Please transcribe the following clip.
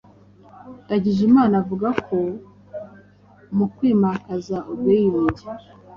Ndagijimana avuga ko mu kwimakaza ubwiyunge,